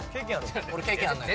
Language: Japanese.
俺経験あんのよ・